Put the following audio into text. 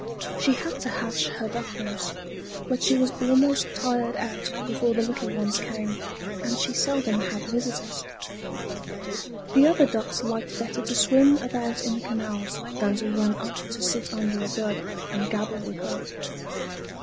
She had to hatch her ducklings, but she was almost tired out before the little ones came; and she seldom had visitors. The other ducks liked better to swim about in the canals than to run up to sit under a burdock and gabble with her.